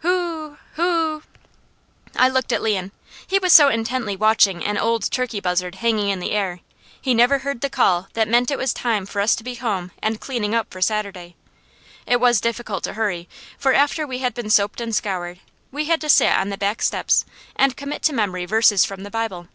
"Hoo hoo!" I looked at Leon. He was so intently watching an old turkey buzzard hanging in the air, he never heard the call that meant it was time for us to be home and cleaning up for Sunday. It was difficult to hurry, for after we had been soaped and scoured, we had to sit on the back steps and commit to memory verses from the Bible.